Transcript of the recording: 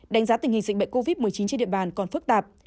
đánh giá tình hình dịch bệnh covid một mươi chín trên địa bàn còn phức tạp